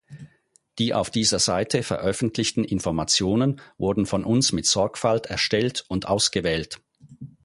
Die auf dieser Seite veröffentlichten Informationen wurden von uns mit Sorgfalt erstellt und ausgewählt.